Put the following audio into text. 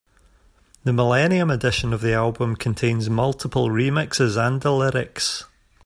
The millennium edition of the album contains multiple remixes and the lyrics.